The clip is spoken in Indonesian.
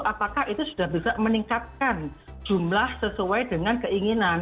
apakah itu sudah bisa meningkatkan jumlah sesuai dengan keinginan